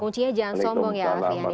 kuncinya jangan sombong ya